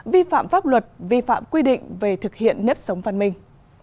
vi phạm pháp luật vi phạm quy định về thực hiện nếp sống văn minh